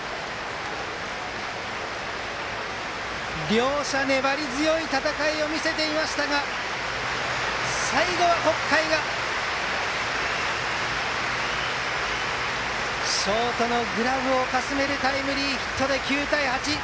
両者、粘り強い戦いを見せていましたが最後は北海がショートのグラブをかすめるタイムリーヒットで９対８。